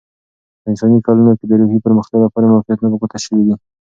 په انساني کلونه کې، د روحي پرمختیا لپاره موقعیتونه په ګوته شوي دي.